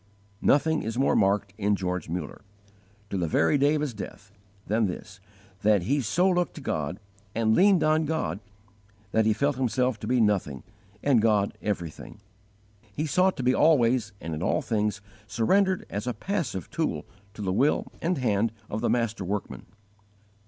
Nothing is more marked in George Muller, to the very day of his death, than this, that he so looked to God and leaned on God that he felt himself to be nothing, and God everything. He sought to be always and in all things surrendered as a passive tool to the will and hand of the Master Workman.